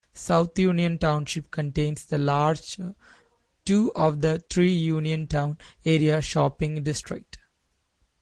South Union Township contains the larger two of the three Uniontown area shopping districts.